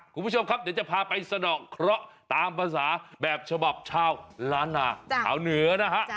คุณผู้ชมครับเดี๋ยวจะพาไปสะดอกเคราะห์ตามภาษาแบบฉบับชาวล้านนาชาวเหนือนะฮะ